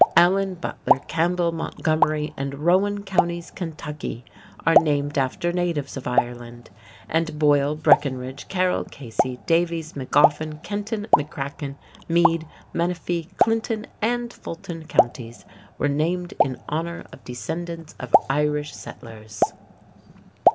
Allen, Butler, Campbell, Montgomery, and Rowan counties, Ky., are named after natives of Ireland, and Boyle, Breckinridge, Carroll, Casey, Daviess, Magoffin, Kenton, McCracken, Meade, Menifee, Clinton, and Fulton counties were named in honor of descendants of Irish settlers.